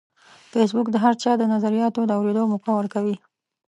فېسبوک د هر چا د نظریاتو د اورېدو موقع ورکوي